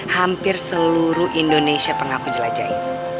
hampir seluruh indonesia pernah aku jelajahi